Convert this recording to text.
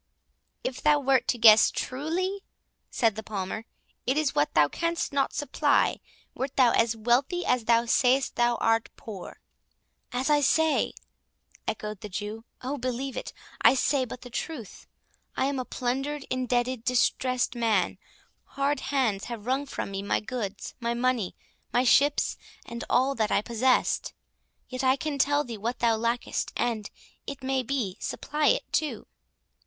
"If thou wert to guess truly," said the Palmer, "it is what thou canst not supply, wert thou as wealthy as thou sayst thou art poor." "As I say?" echoed the Jew; "O! believe it, I say but the truth; I am a plundered, indebted, distressed man. Hard hands have wrung from me my goods, my money, my ships, and all that I possessed—Yet I can tell thee what thou lackest, and, it may be, supply it too.